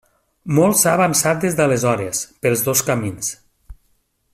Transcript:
Molt s'ha avançat des d'aleshores, pels dos camins.